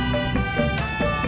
yang keselius standar